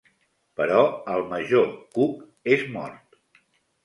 Però el major Cook és mort.